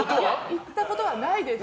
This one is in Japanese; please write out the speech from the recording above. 言ったことはないです。